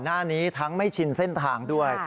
หน้านี้ทั้งไม่ชินเส้นทางด้วย